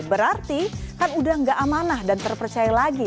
berarti kan sudah tidak amanah dan terpercaya lagi